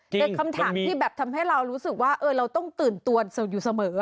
เป็นคำถามที่แบบทำให้เรารู้สึกว่าเราต้องตื่นตัวอยู่เสมอ